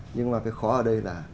nhưng mà cái khó ở đây là